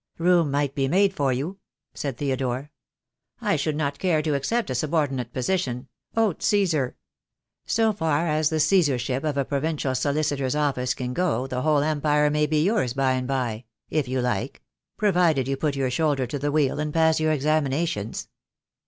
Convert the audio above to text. "Room might be made for you," said Theodore. "I should not care to accept a subordinate position — Aut Caesar " "So far as the Caesar ship of a provincial solicitor's office can go the whole empire may be yours by and by, if you like — provided you put your shoulder to the wheel and pass your examinations."